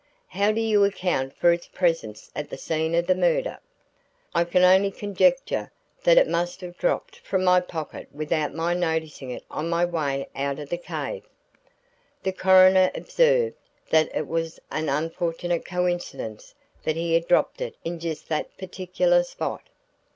"How do you account for its presence at the scene of the murder?" "I can only conjecture that it must have dropped from my pocket without my noticing it on my way out of the cave." The coroner observed that it was an unfortunate coincidence that he had dropped it in just that particular spot.